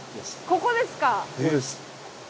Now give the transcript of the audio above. ここです。